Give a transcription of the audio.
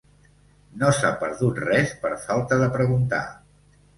No s'ha perdut res per falta de preguntar.